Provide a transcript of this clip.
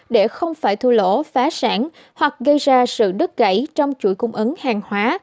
để không phải thu lỗ phá sản hoặc gây ra sự đứt gãy trong chuỗi cung ứng hàng hóa